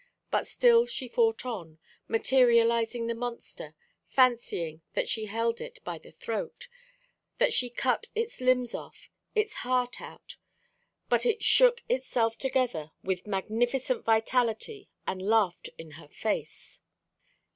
But still she fought on, materialising the monster, fancying that she held it by the throat, that she cut its limbs off, its heart out; but it shook itself together with magnificent vitality, and laughed in her face.